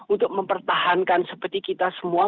untuk mempertahankan seperti kita semua